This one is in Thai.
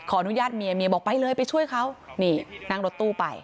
อนุญาตเมียบอกไปเลยไปช่วยเขานี่นั่งรถตู้ไป